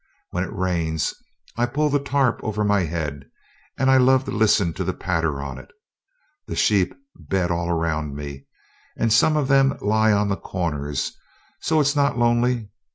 When it rains, I pull the tarp over my head, and I love to listen to the patter on it. The sheep 'bed' all around me, and some of them lie on the corners, so it's not lonely."